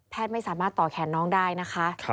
ไม่สามารถต่อแขนน้องได้นะคะ